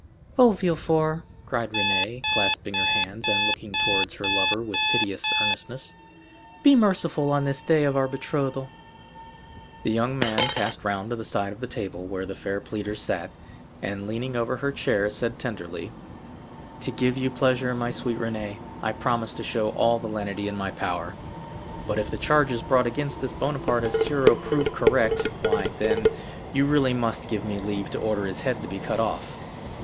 "Oh, Villefort!" cried Renée, clasping her hands, and looking towards her lover with piteous earnestness, "be merciful on this the day of our betrothal." The young man passed round to the side of the table where the fair pleader sat, and leaning over her chair said tenderly: "To give you pleasure, my sweet Renée, I promise to show all the lenity in my power; but if the charges brought against this Bonapartist hero prove correct, why, then, you really must give me leave to order his head to be cut off."